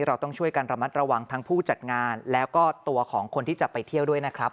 เราต้องช่วยกันระมัดระวังทั้งผู้จัดงานแล้วก็ตัวของคนที่จะไปเที่ยวด้วยนะครับ